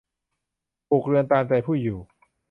ปลูกเรือนตามใจผู้อยู่